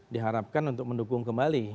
diharapkan untuk mendukung kembali